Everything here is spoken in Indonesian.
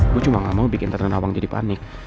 gue cuma gak mau bikin tante nawang jadi panik